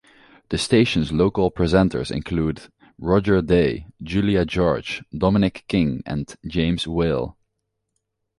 The station's local presenters include Roger Day, Julia George, Dominic King and James Whale.